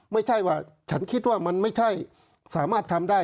ไม่ใช่ว่าฉันคิดว่ามันไม่ใช่สามารถทำได้